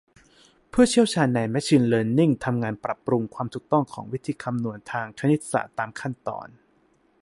ผู้เชี่ยวชาญในแมชีน เลิร์นนิ่งทำงานปรับปรุงความถูกต้องของวิธีคำนวณทางคณิตศาสตร์ตามขั้นตอน